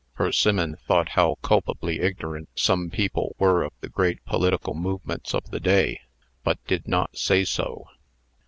Persimmon thought how culpably ignorant some people were of the great political movements of the day, but did not say so.